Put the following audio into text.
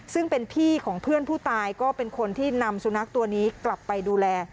ซึ่งเป็นพี่ของเพื่อนผู้ตายก็เป็นคนที่นำสุนัขตัวนี้กลับไปดูแล